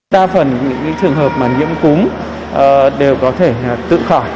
đa phần những trường hợp mà nhiễm cúm đều có thể tự khỏi